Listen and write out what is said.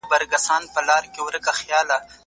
د دغې مځکي د اوبولو لپاره ډېر کار پکار دی.